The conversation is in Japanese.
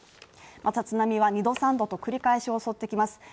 また津波は２度３度と繰り返し襲ってきます。